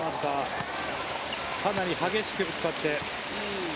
かなり激しくぶつかって。